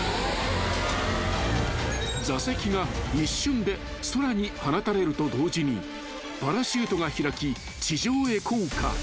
［座席が一瞬で空に放たれると同時にパラシュートが開き地上へ降下］